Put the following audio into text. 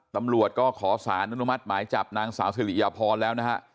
ตำรวจก็ขอสารอนุมัติหมายจับนางสาวสิริยพรแล้วนะฮะ